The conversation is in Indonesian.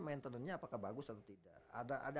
maintenennya apakah bagus atau tidak ada